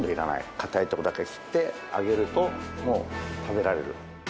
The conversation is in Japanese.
硬いとこだけ切って揚げるともう食べられる。